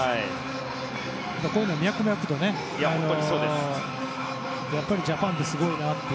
こういうのは脈々とやっぱりジャパンはすごいなと。